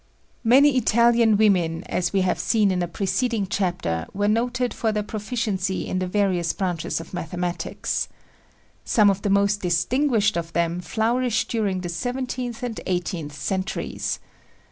Many Italian women, as we have seen in a preceding chapter, were noted for their proficiency in the various branches of mathematics. Some of the most distinguished of them flourished during the seventeenth and eighteenth centuries.